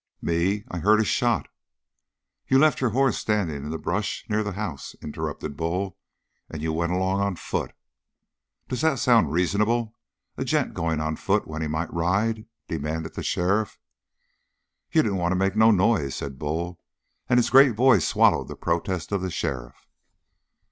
"Me? I heard a shot " "You left your hoss standing in the brush near the house," interrupted Bull, "and you went along on foot." "Does that sound reasonable, a gent going on foot when he might ride?" demanded the sheriff. "You didn't want to make no noise," said Bull, and his great voice swallowed the protest of the sheriff.